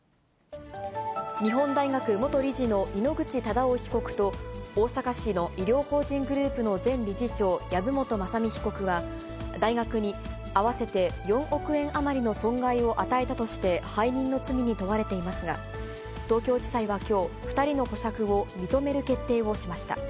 日本大学元理事の井ノ口忠男被告と、大阪市の医療法人グループの前理事長、籔本雅巳被告は、大学に合わせて４億円余りの損害を与えたとして背任の罪に問われていますが、東京地裁はきょう、２人の保釈を認める決定をしました。